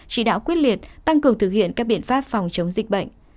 chỉ đạo quyết liệt tăng cường thực hiện các biện pháp phòng chống dịch bệnh